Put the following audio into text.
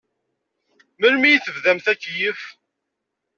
Melmi i tebdamt akeyyef?